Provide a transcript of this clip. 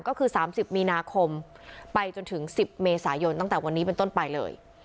ก็คือ๓๐มีนาคมไปจนถึง๑๐เมษายนตั้งแต่วันนี้เป็นต้นไปเลย